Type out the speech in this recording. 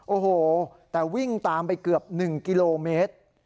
โอ้โหแต่วิ่งตามไปเกือบ๑กิโลเมตร